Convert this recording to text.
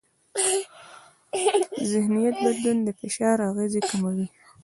ذهنیت بدلون د فشار اغېزې کموي.